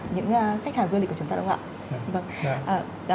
những khách hàng du lịch của chúng ta đúng không ạ